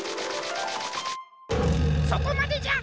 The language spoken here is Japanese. そこまでじゃ！